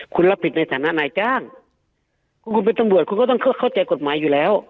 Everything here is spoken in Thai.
คุณรับผิดในฐานะนายจ้างคุณคุณเป็นตำรวจคุณก็ต้องเข้าใจกฎหมายอยู่แล้ว